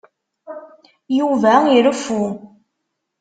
Yuba ireffu.